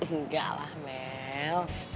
enggak lah mel